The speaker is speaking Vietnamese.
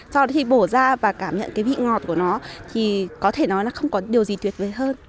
sau đó thì bổ ra và cảm nhận cái vị ngọt của nó thì có thể nói là không có điều gì tuyệt vời hơn